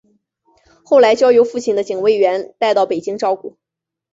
后来交由父亲的警卫员带到北京照顾。